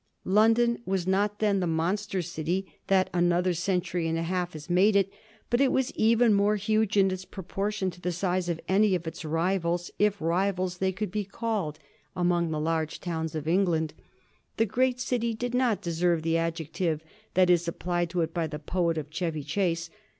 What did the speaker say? London was not then the monster city that another century and a half has made it, but it was even more huge in its proportion to the size of any of its rivals, if rivals they could be called, among the large towns of England. The great city did not deserve the adjective that is applied to it by the poet of Chevy Chase.